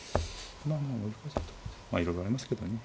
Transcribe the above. まあいろいろありますけどね。